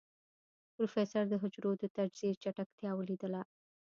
پروفيسر د حجرو د تجزيې چټکتيا وليدله.